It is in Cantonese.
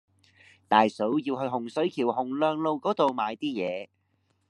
大嫂要去洪水橋洪亮路嗰度買啲嘢